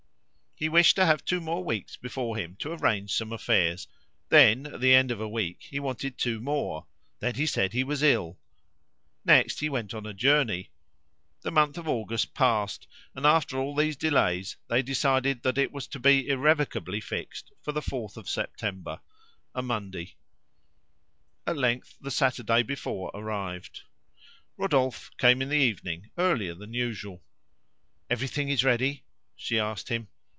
He wished to have two more weeks before him to arrange some affairs; then at the end of a week he wanted two more; then he said he was ill; next he went on a journey. The month of August passed, and, after all these delays, they decided that it was to be irrevocably fixed for the 4th September a Monday. At length the Saturday before arrived. Rodolphe came in the evening earlier than usual. "Everything is ready?" she asked him.